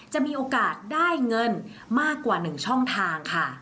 จะมีโอกาสได้เงินมากกว่า๑ช่องทางค่ะ